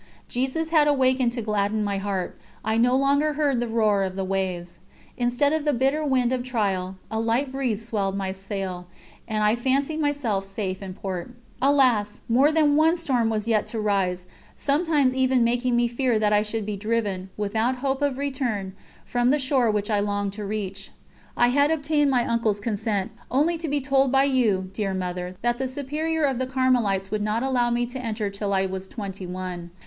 Jesus had awakened to gladden my heart. I no longer heard the roar of the waves. Instead of the bitter wind of trial, a light breeze swelled my sail, and I fancied myself safe in port. Alas! more than one storm was yet to rise, sometimes even making me fear that I should be driven, without hope of return, from the shore which I longed to reach. I had obtained my uncle's consent, only to be told by you, dear Mother, that the Superior of the Carmelites would not allow me to enter till I was twenty one.